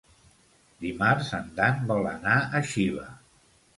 Dimarts en Dan vol anar a Xiva.